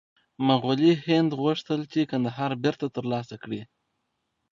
مغولي هند غوښتل چې کندهار بېرته ترلاسه کړي.